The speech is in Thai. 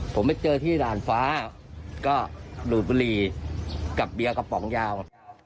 ผมไปเจอที่ด่านฟ้าก็ดูดบุหรี่กับเบียร์กระป๋องยาว